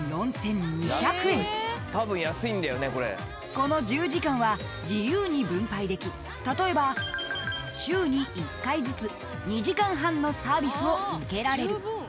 ［この１０時間は自由に分配でき例えば週に１回ずつ２時間半のサービスを受けられる］